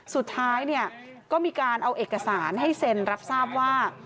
สุดท้ายเนี่ยก็มีการเอาเอกสารให้เซ็นรับทราบว่า